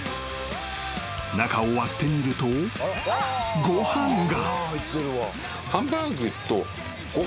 ［中を割ってみるとご飯が］